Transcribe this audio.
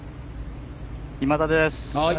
今田です。